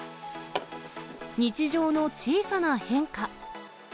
日常の小さな変化。